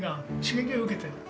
刺激を受けてる。